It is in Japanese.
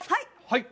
はい！